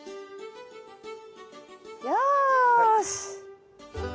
よし！